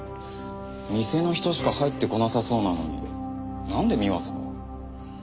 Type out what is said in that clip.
店の人しか入ってこなさそうなのになんで美和さん？